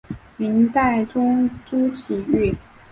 明代宗朱祁钰。